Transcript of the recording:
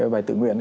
bài tự nguyện